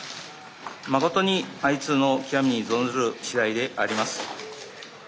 まことに哀痛の極みに存ずるしだいであります。